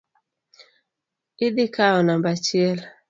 Idhi kawo namba achiel.